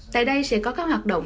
tại đây sẽ có các hoạt động